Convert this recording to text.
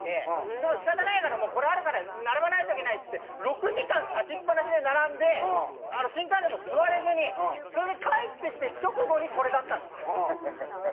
でも仕方ないからこれあるから並ばないといけないっていって６時間立ちっぱなしで並んで新幹線も座れずにそれで帰ってきて直後にこれだったんですよ。